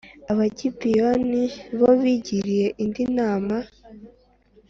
Abagibeyoni bo bigiriye indi nama